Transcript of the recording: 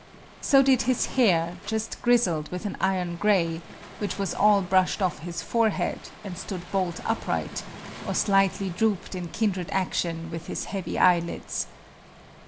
So did his hair, just grizzled with an iron gray, which was all brushed off his forehead, and stood bolt upright, or slightly drooped in kindred action with his heavy eyelids.